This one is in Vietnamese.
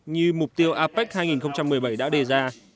như mục tiêu apec hai nghìn một mươi bảy